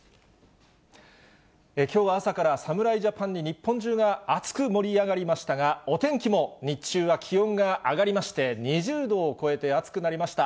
きょうは朝から侍ジャパンに日本中が熱く盛り上がりましたが、お天気も日中は気温が上がりまして、２０度を超えて暑くなりました。